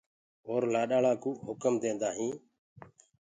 اور لآڏياݪآ ڪوٚ هڪُم ديندآ هين۔